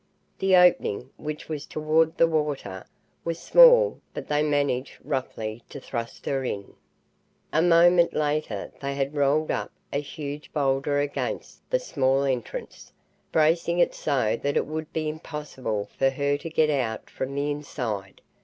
The opening, which was toward the water, was small, but they managed, roughly, to thrust her in. A moment later and they had rolled up a huge boulder against the small entrance, bracing it so that it would be impossible for her to get out from the inside.